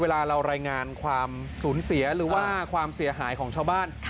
เวลาเรารายงานความสูญเสียหรือว่าความเสียหายของชาวบ้าน